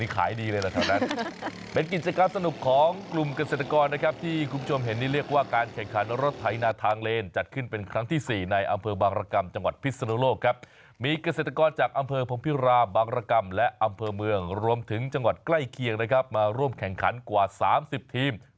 กิจการสนุกของกลุ่มเกษตรกรนะครับที่คุณผู้ชมเห็นนี่เรียกว่าการแข่งขันรถไทยหน้าทางเลนจัดขึ้นเป็นครั้งที่สี่ในอำเภอบางรกรรมจังหวัดพิศนโลกครับมีเกษตรกรจากอำเภอพงภิราบบางรกรรมและอำเภอเมืองรวมถึงจังหวัดใกล้เคียงนะครับมาร่วมแข่งขันกว่าสามสิบทีมสามสิบทีม